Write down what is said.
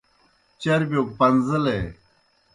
چربِیو گہ پن٘زیلے۔